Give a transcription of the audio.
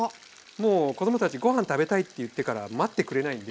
もう子どもたちごはん食べたいって言ってから待ってくれないんで。